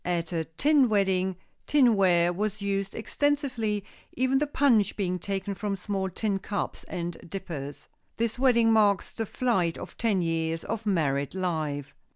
At a Tin Wedding, tinware was used extensively, even the punch being taken from small tin cups and dippers. This wedding marks the flight of ten years of married life.